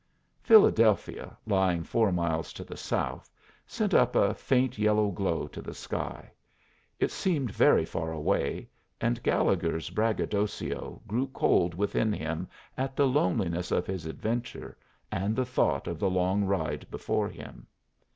Philadelphia, lying four miles to the south, sent up a faint yellow glow to the sky. It seemed very far away, and Gallegher's braggadocio grew cold within him at the loneliness of his adventure and the thought of the long ride before him.